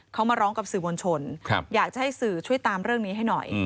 เขามาร้องกับสื่อมวลชนอยากจะให้สื่อช่วยตามเรื่องนี้ให้หน่อย